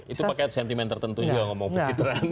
itu pakai sentimen tertentu juga ngomong pencitraan